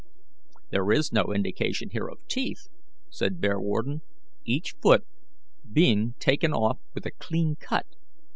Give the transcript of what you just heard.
"There is no indication here of teeth," said Bearwarden, "each foot being taken off with a clean cut.